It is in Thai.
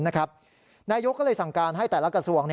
นายกก็เลยสั่งการให้แต่ละกระทรวง